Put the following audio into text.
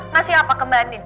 nasi apa ke mbak andin